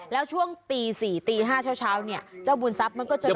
แล้วช่วงตีสี่ตีห้าเช้าเนี่ยเจ้าบุญทรัพย์มันก็จะร้อง